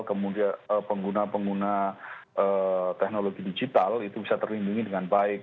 kemudian pengguna pengguna teknologi digital itu bisa terlindungi dengan baik